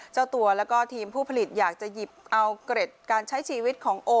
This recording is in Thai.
เจ้าตัวแล้วก็ทีมผู้ผลิตอยากจะหยิบเอาเกร็ดการใช้ชีวิตของโอ